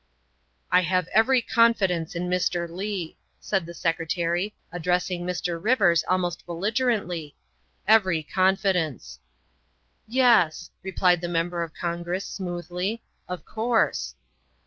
" I have every confidence in Mr. Leigh," said the Secretary, addressing Mr. Rivers almost belligerently. " every confidence." " Yes," replied the Member of Congress smoothly, " of course."